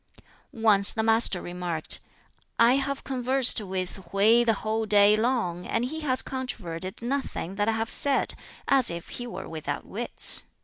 Once the Master remarked, "I have conversed with Hwķi the whole day long, and he has controverted nothing that I have said, as if he were without wits.